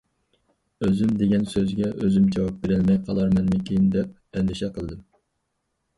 ئۆزۈم دېگەن سۆزگە ئۆزۈم جاۋاب بېرەلمەي قالارمەنمىكىن دەپ ئەندىشە قىلدىم.